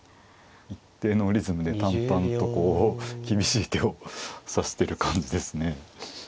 一定のリズムで淡々とこう厳しい手を指してる感じですね。